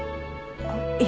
あっいや。